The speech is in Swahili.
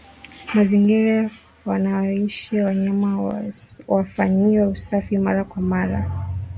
Mazingira wanayoishi wanyama yafanyiwe usafi mara kwa mara